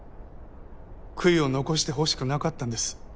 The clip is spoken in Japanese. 悔いを残してほしくなかったんです。